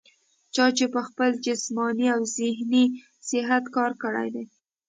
چا چې پۀ خپل جسماني او ذهني صحت کار کړے دے